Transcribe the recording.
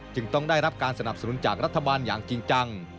ต้องได้รับการสนับสนุนจากรัฐบาลอย่างจริงจัง